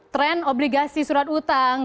trend obligasi surat utang